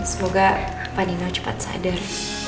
semoga pak nino cepat sadar